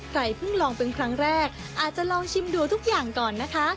ใครเพิ่งลองเป็นครั้งแรกอาจจะลองชิมดูทุกอย่างก่อนนะคะ